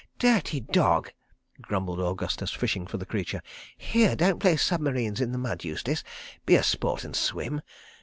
"Dirty dog!" grumbled Augustus, fishing for the creature. "Here, don't play submarines in the mud, Eustace—be a sport and swim.